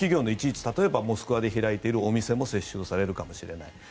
例えばモスクワで開いているお店も接収されるかもしれない。